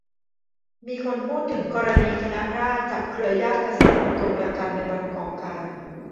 มีคนพูดถึงกรณีคณะราษฎรจับเครือญาติกษัตริย์เป็นตัวประกันในวันก่อการ